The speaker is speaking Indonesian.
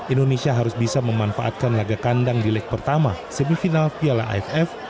indonesia harus bisa memanfaatkan laga kandang di leg pertama semifinal piala aff